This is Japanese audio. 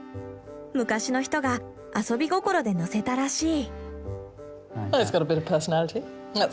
昔の人が遊び心でのせたらしい。